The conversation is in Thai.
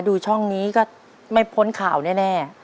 ดูช่องนี้ก็ไม่พ้นข่าวแน่